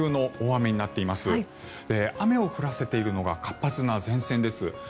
雨を降らせているのが活発な前線です。